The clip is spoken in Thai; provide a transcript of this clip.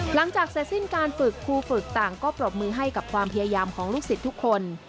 หลังจากเสร็จสิ้นการฝึกครูฝึกต่างก็ปรบมือให้กับความพยายามของลูกศิษย์ทุกคน